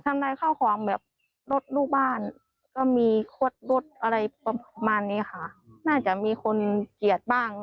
ทำไมข้าของแบบรถลูกบ้านอ่ะมี๖๒อะไรประมาณนี้ค่ะน่าจะมีคนเกียรติบ้าง